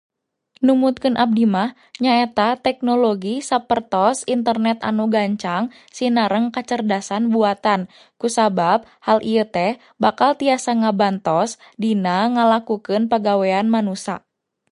Numutkeun abdi mah, nyaeta teknologi sapertos internet anu gancang sinareng kacerdasan buatan, kusabab hal ieu teh bakal tiasa ngabantos dina ngalakukeun pagawean manusa